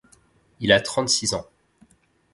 Il a trente-six ans.